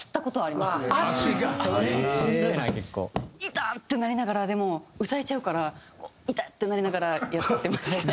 痛っ！ってなりながらでも歌えちゃうから痛っ！ってなりながらやってました。